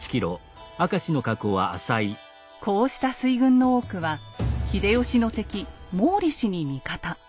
こうした水軍の多くは秀吉の敵毛利氏に味方。